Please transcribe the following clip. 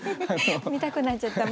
見たくなっちゃった。